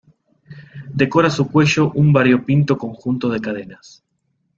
Decora su cuello un variopinto conjunto de cadenas.